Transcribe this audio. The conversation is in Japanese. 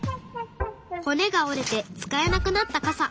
骨が折れて使えなくなった傘。